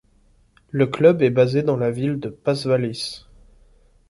Le club est basé dans la ville de Pasvalys.